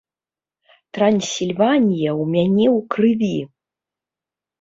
Трансільванія ў мяне ў крыві.